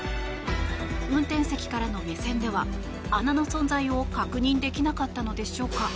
運転席からの目線では穴の存在を確認できなかったのでしょうか。